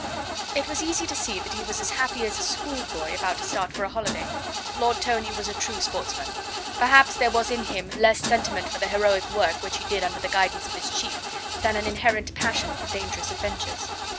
It was easy to see that he was as happy as a schoolboy about to start for a holiday. Lord Tony was a true sportsman. Perhaps there was in him less sentiment for the heroic work which he did under the guidance of his chief than an inherent passion for dangerous adventures.